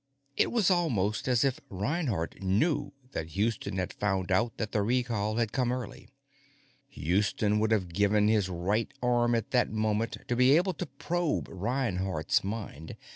It was almost as if Reinhardt knew that Houston had found out that the recall had come early. Houston would have given his right arm at that moment to be able to probe Reinhardt's mind.